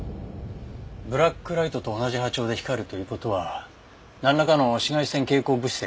ブラックライトと同じ波長で光るという事はなんらかの紫外線蛍光物質で描かれていますね。